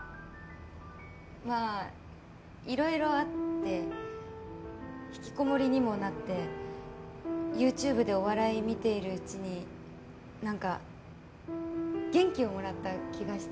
まあいろいろあって引きこもりにもなってＹｏｕＴｕｂｅでお笑い見ているうちになんか元気をもらった気がして。